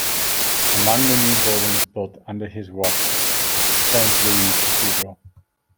Among the new buildings built under his watch was the Saint Louis Cathedral.